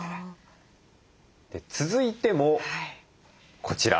続いてもこちら。